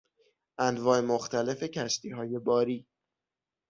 انواع مختلف کشتیهای باری